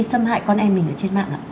xâm hại con em mình ở trên mạng ạ